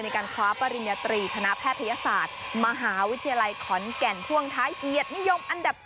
ในการคว้าปริญญาตรีคณะแพทยศาสตร์มหาวิทยาลัยขอนแก่นพ่วงท้ายเกียรตินิยมอันดับ๒